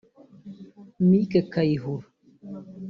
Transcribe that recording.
Mike Kayihura